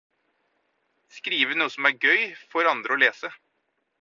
Skriv noe som er gøy for andre å lese.